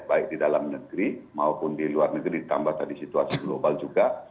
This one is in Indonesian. baik di dalam negeri maupun di luar negeri ditambah tadi situasi global juga